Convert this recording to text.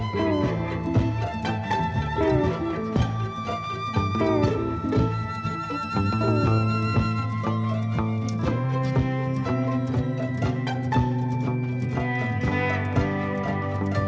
yang menjaga dari pindah pindah yang menyatakan